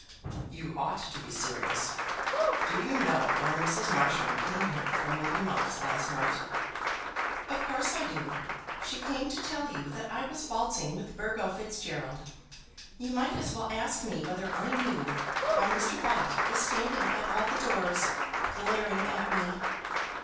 "You ought to be serious. Do you know why Mrs. Marsham came here from Lady Monk's last night?" "Of course I do. She came to tell you that I was waltzing with Burgo Fitzgerald. You might as well ask me whether I knew why Mr. Bott was standing at all the doors, glaring at me."